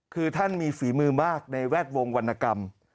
คือท่านมีฝีมือมากในแวดวงวรรณกรรม